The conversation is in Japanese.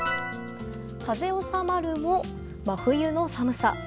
風収まるも、真冬の寒さ。